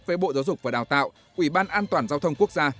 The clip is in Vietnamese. với bộ giáo dục và đào tạo ủy ban an toàn giao thông quốc gia